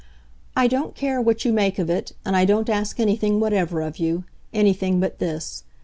"I don't care what you make of it, and I don't ask anything whatever of you anything but this.